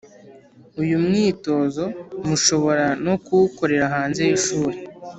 uyu mwitozo mushobora no kuwukorera hanze y’ishuri